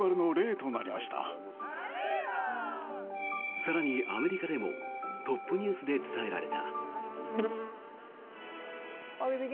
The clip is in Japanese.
更に、アメリカでもトップニュースで伝えられた。